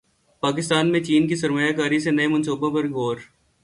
پاکستان میں چین کی سرمایہ کاری سے نئے منصوبوں پر غور